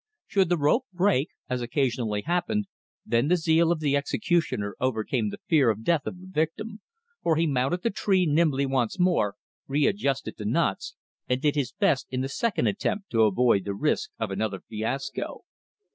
Should the rope break, as occasionally happened, then the zeal of the executioner overcame the fear of death of the victim, for he mounted the tree nimbly once more, readjusted the knots, and did his best in the second attempt to avoid the risk of another fiasco.